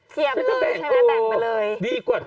เกียบเลยใช่ไหมแบ่งมาเลย